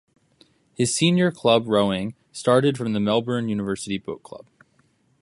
His senior club rowing started from the Melbourne University Boat Club.